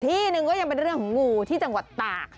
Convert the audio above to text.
ที่หนึ่งก็ยังเป็นเรื่องของงูที่จังหวัดตาก